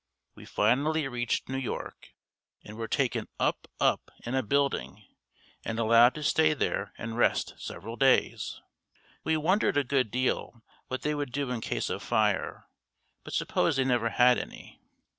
We finally reached New York and were taken up, up, in a building and allowed to stay there and rest several days. We wondered a good deal what they would do in case of fire, but supposed they never had any.